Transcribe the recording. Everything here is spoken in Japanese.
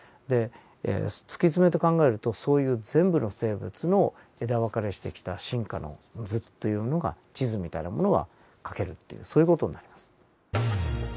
で突き詰めて考えるとそういう全部の生物の枝分かれしてきた進化の図というのが地図みたいなものが描けるというそういう事になります。